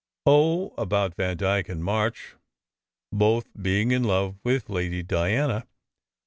"Oh, about Vandyke and March both being in love with Lady Diana.